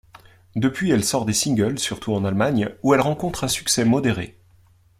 Depuis, elle sort des singles surtout en Allemagne, où elle rencontre un succès modéré.